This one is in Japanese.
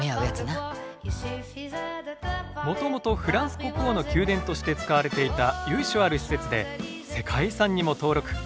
もともとフランス国王の宮殿として使われていた由緒ある施設で世界遺産にも登録。